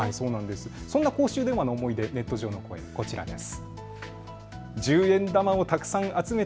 そんな公衆電話の思い出、ネット上の声、こちらです。